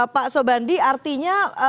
pak sobandi artinya